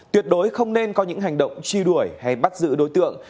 tuyệt đối không nên có những hành động truy đuổi hay bắt giữ đối tượng